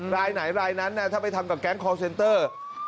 รายไหนรายนั้นถ้าไปทำกับแก๊งคอร์เซนเตอร์